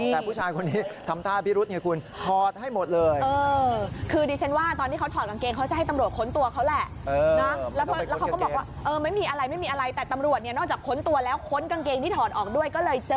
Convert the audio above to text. แต่ผู้ชายคนนี้ทำท่าพิรุธไงคุณถอดให้หมดเลย